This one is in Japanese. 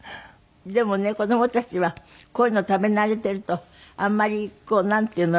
でもね子供たちはこういうの食べ慣れているとあまりこうなんていうの？